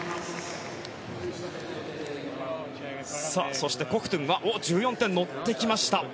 そして、コフトゥンは１４点に乗ってきました。